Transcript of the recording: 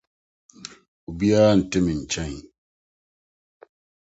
Obiara nte me nkyɛn.